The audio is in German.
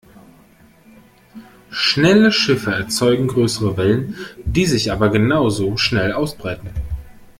Schnelle Schiffe erzeugen größere Wellen, die sich aber genau so schnell ausbreiten.